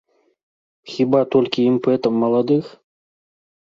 Хіба толькі імпэтам маладых?